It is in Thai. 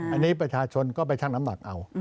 อันนี้ประชาชนก็ไปชั่งน้ำหนักเอา